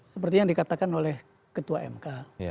seperti yang dikatakan oleh ketua mk